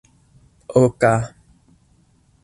oka